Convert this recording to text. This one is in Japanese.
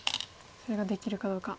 それができるかどうか。